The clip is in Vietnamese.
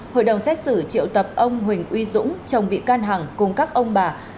hội đồng xét xử triệu tập ông huỳnh uy dũng chồng bị can hằng cùng các ông bà